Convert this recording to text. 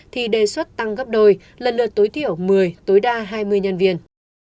thì đề xuất tăng gấp đôi lần lượt tối thiểu một mươi tối đa hai mươi nhân viên